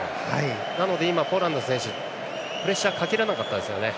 なので、ポーランドの選手はプレッシャーをかけられなかったですよね。